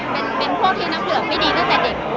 เป็นพวกที่น้ำเหลืองไม่ดีตั้งแต่เด็ก